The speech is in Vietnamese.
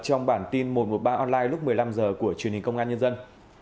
trong bản tin một trăm một mươi ba online lúc một mươi năm h của truyền hình công an nhân dân